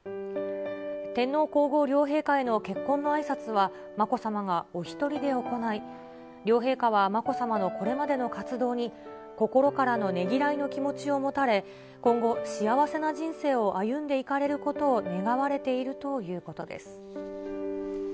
天皇皇后両陛下への結婚のあいさつは、まこさまがお一人で行い、両陛下はまこさまのこれまでの活動に心からのねぎらいの気持ちを持たれ、今後、幸せな人生を歩んでいかれることを願われているということです。